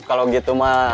kalau gitu mah